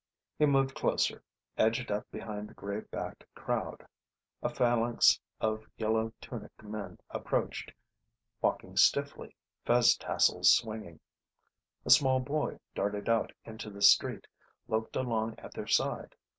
He moved closer, edged up behind the grey backed crowd. A phalanx of yellow tuniced men approached, walking stiffly, fez tassels swinging. A small boy darted out into the street, loped along at their side.